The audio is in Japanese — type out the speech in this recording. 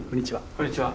こんにちは。